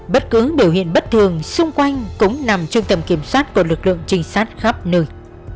bất cứ biểu hiện bất thường xung quanh cũng nằm trong tầm kiểm soát của lực lượng trinh sát khắp nơi